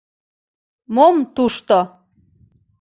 Мом тушто.